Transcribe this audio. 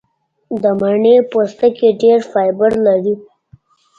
د مڼې پوستکی ډېر فایبر لري.